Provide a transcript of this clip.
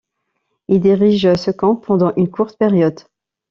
Il dirige ce camp pendant une courte période.